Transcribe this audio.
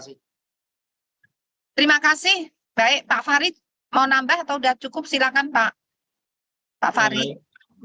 silahkan pak fahri